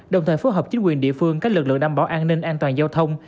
đồng thời phối hợp chính quyền địa phương các lực lượng đảm bảo an ninh an toàn giao thông